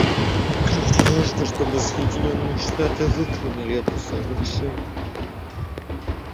Крайне важно, чтобы Соединенные Штаты выполнили это соглашение.